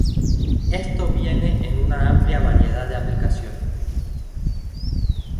Esto viene en una amplia variedad de aplicaciones.